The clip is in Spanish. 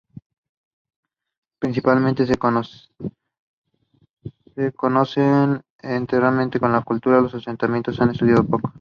Principalmente se conocen enterramientos de esta cultura, los asentamientos se han estudiado poco.